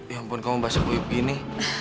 ya ampun kamu basah kuyuk gini